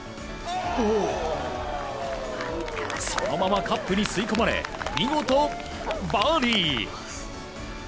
そのままカップに吸い込まれ見事バーディー。